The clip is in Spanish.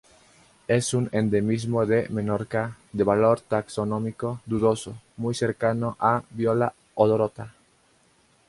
Es un endemismo de Menorca, de valor taxonómico dudoso, muy cercano a "Viola odorata".